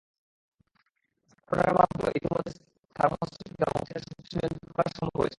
স্মার্টফোনের মাধ্যমে ইতিমধ্যেই থার্মোস্ট্যাট থেকে হোম থিয়েটারে সবকিছু নিয়ন্ত্রণ করা সম্ভব হয়েছে।